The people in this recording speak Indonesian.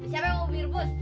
siapa yang ubi rebus